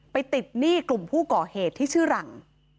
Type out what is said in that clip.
ไปติดหนี้กลุ่มผู้ก่อเหตุที่ชื่อหลัง